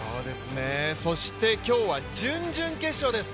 そして今日は準々決勝です。